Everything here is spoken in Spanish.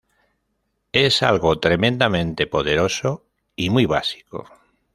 Es algo tremendamente poderoso y muy básico.